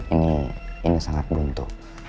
ini ini sangat buntu